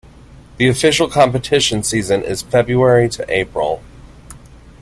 The official competition season is February-April.